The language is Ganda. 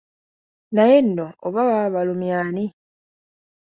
Naye nno oba baba balumya ani?